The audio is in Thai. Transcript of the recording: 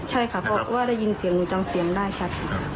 ใช่ค่ะบอกว่าได้ยินเสียงหนูจำเสียงได้ชัดครับ